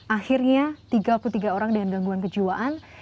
akhirnya tiga puluh tiga orang dengan gangguan kejiwaan